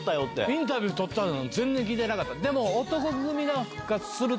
インタビュー撮ったなんて全然聞いてなかった。